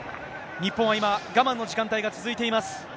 日本は今、我慢の時間帯が続いています。